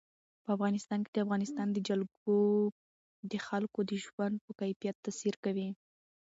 په افغانستان کې د افغانستان جلکو د خلکو د ژوند په کیفیت تاثیر کوي.